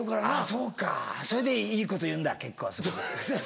そうかそれでいいこと言うんだ結構そこで。